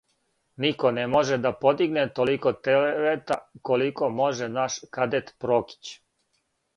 Niko ne može da podigne toliko tereta koliko može naš kadet Prokić.